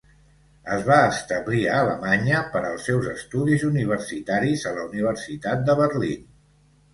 Es va establir a Alemanya per als seus estudis universitaris a la Universitat de Berlín.